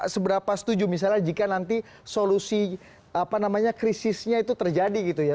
seberapa setuju misalnya jika nanti solusi apa namanya krisisnya itu terjadi gitu ya